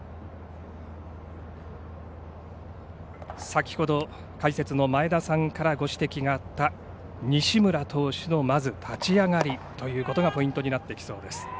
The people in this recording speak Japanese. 先ほど解説の前田さんからご指摘があった西村投手のまず立ち上がりということがポイントになってきそうです。